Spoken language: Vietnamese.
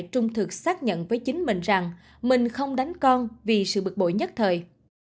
trung thực xác nhận với chính mình rằng mình không đánh con vì sự bực bội nhất thời